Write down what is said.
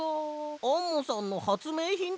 アンモさんのはつめいひんってこと？